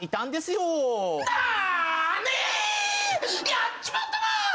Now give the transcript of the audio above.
やっちまったなあ！